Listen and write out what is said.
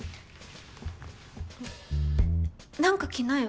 な何か着なよ。